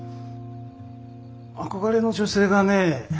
憧れの女性がね。